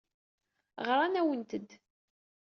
Ɣran-awent-d.